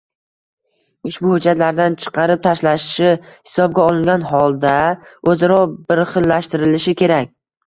ushbu hujjatlardan chiqarib tashlanishi hisobga olingan holda o‘zaro birxillashtirilishi kerak.